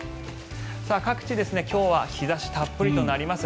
各地、今日は日差したっぷりとなります。